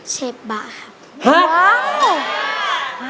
เชฟบะครับ